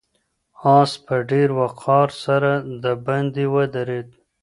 آس په ډېر وقار سره د باندې ودرېد.